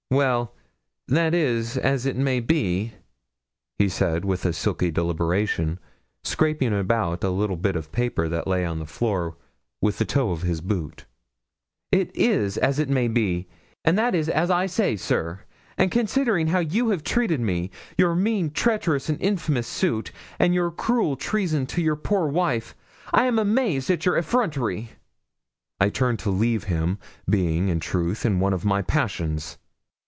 'Well, that is as it may be,' he said, with a sulky deliberation, scraping about a little bit of paper that lay on the floor with the toe of his boot. 'It is as it may be, and that is as I say, sir; and considering how you have treated me your mean, treacherous, and infamous suit, and your cruel treason to your poor wife, I am amazed at your effrontery.' I turned to leave him, being, in truth, in one of my passions.